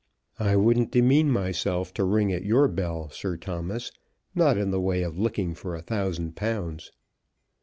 I wouldn't demean myself to ring at your bell, Sir Thomas; not in the way of looking for a thousand pounds."